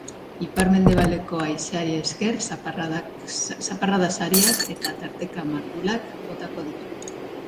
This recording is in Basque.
Ipar-mendebaldeko haizeari esker, zaparrada sarriak, eta tarteka mardulak, botako ditu.